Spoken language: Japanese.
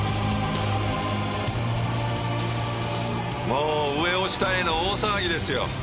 もう上を下への大騒ぎですよ。